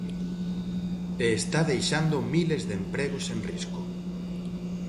E está deixando miles de empregos en risco.